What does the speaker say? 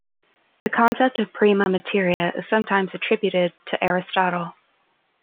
The concept of prima materia is sometimes attributed to Aristotle.